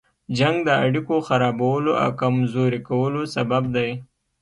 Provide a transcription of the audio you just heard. جنګ د اړيکو خرابولو او کمزوري کولو سبب دی.